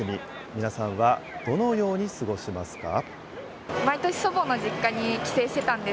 皆さんはどのように過ごしますか。